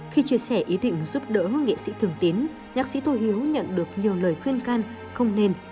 khi chia sẻ ý định giúp đỡ nghệ sĩ thường tiến nhạc sĩ tô hiếu nhận được nhiều lời khuyên can không nên